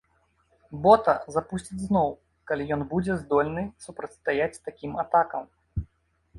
Бота запусцяць зноў, калі ён будзе здольны супрацьстаяць такім атакам.